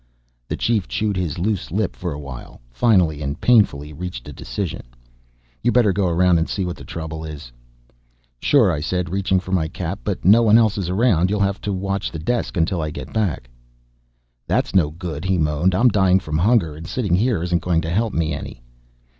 The Chief chewed his loose lip for a while, finally and painfully reached a decision. "You better go around and see what the trouble is." "Sure," I said reaching for my cap. "But no one else is around, you'll have to watch the desk until I get back." "That's no good," he moaned. "I'm dying from hunger and sitting here isn't going to help me any."